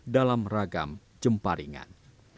dalam ragam jemparingan